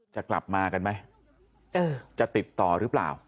จะกลับมากันไหมจะติดต่อหรือเปล่า